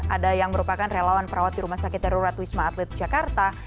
ada yang merupakan relawan perawat di rumah sakit darurat wisma atlet jakarta